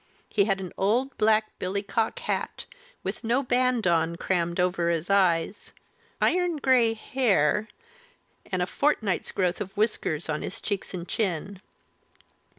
He had an old black billycock hat, with no band on, crammed over his eyes, iron grey hair, and a fortnight's growth of whiskers on his cheeks and chin.